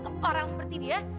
ke orang seperti dia